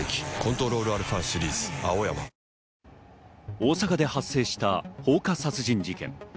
大阪で発生した放火殺人事件。